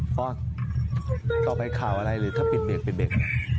พ่อต่อไปข่าวอะไรหรือถ้าเป็นเบรก